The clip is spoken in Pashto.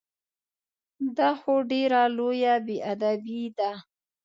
دا خو ډېره لویه بې ادبي ده!